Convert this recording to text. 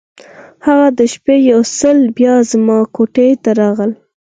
هغه د شپې یو ځل بیا زما کوټې ته راغی.